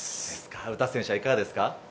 詩選手はいかがですか？